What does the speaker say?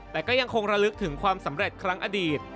แต่ก็ยังคงระลึกถึงความสำเร็จครั้งอดีต